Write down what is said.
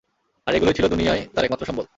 আর এগুলোই ছিল দুনিয়ায় তাঁর একমাত্র সম্বল।